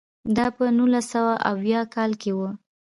دا په نولس سوه اویاووه کال کې و.